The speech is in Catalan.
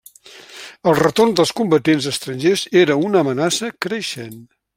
El retorn dels combatents estrangers era una amenaça creixent.